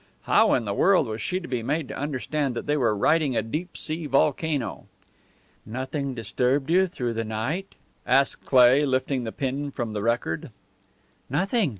How in the world was she to be made to understand that they were riding a deep sea volcano? "Nothing disturbed you through the night?" asked Cleigh, lifting the pin from the record. "Nothing.